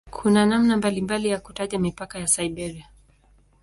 Kuna namna mbalimbali ya kutaja mipaka ya "Siberia".